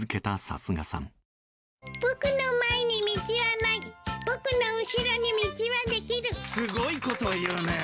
すごいことを言うね。